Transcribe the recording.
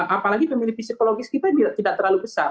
apalagi pemilih psikologis kita tidak terlalu besar